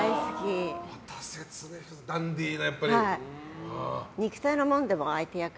ダンディーな。